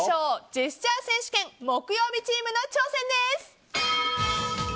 ジェスチャー選手権木曜日チームの挑戦です。